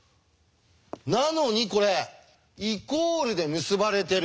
なのにこれイコールで結ばれてる。